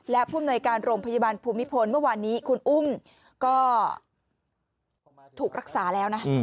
และผู้มนวยการโรงพยาบาลภูมิพลเมื่อวานนี้คุณอุ้มก็ถูกรักษาแล้วนะ